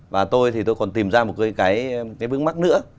và tôi thì tôi còn tìm ra một cái vướng mắt nữa